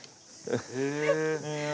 へえ。